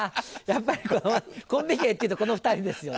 やっぱりコンビ芸っていうとこの２人ですよね。